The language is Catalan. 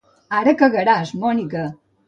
Ara cagaràs, Mònica!